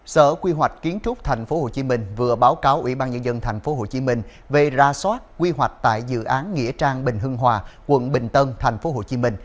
sở quy hoạch kiến trúc tp hcm vừa báo cáo ủy ban nhân dân tp hcm về ra soát quy hoạch tại dự án nghĩa trang bình hưng hòa quận bình tân tp hcm